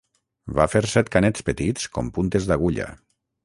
Va fer set canets petits com puntes d'agulla.